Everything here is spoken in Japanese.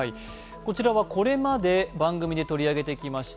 こちらはこれまで番組で取り上げてきました